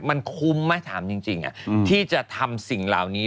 มันคุ้มไหมถามจริงที่จะทำสิ่งเหล่านี้